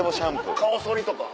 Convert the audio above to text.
顔そりとか？